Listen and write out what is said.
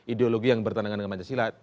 ideologi yang bertentangan dengan pancasila